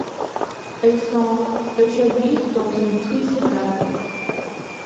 Elles sont aujourd’hui dans un triste état.